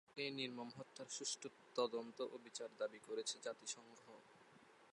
এই নির্মম হত্যার সুষ্ঠু তদন্ত ও বিচার দাবি করেছে জাতিসংঘ।